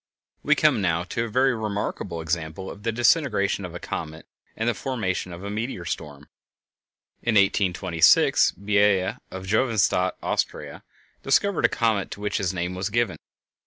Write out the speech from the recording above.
We come now to a very remarkable example of the disintegration of a comet and the formation of a meteor stream. In 1826 Biela, of Josephstadt, Austria, discovered a comet to which his name was given.